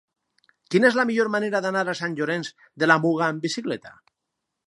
Quina és la millor manera d'anar a Sant Llorenç de la Muga amb bicicleta?